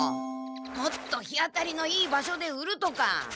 もっと日当たりのいい場所で売るとか。